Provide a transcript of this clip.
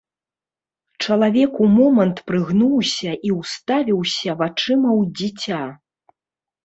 Чалавек умомант прыгнуўся і ўставіўся вачыма ў дзіця.